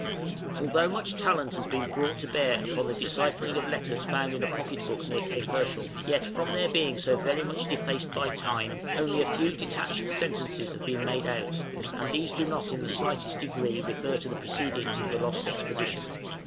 Although much talent has been brought to bear upon the deciphering of the letters found in a pocket book near Cape Herschel (page 248 ante), yet, from their being so very much defaced by time, only a few detached sentences have been made out, and these do not in the slightest degree refer to the proceedings of the lost expedition.